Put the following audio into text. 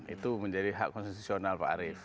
itu menjadi hak konstitusional pak arief